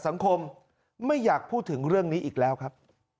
สังคมไม่อยากพูดถึงเรื่องนี้อีกแล้วครับ